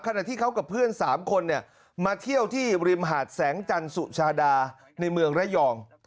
ขณะที่เขากับเพื่อน๓คนมาเที่ยวที่ริมหาดแสงจันทร์สุชาดาในเมืองระยอง